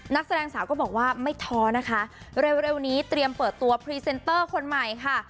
นักแสดงสาวก็บอกว่าไม่ท้อนะคะเร็วนี้เตรียมเปิดตัวพรีเซนเตอร์คนใหม่ค่ะ